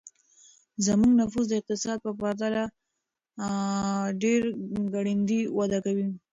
زموږ نفوس د اقتصاد په پرتله ډېر ګړندی وده کوي.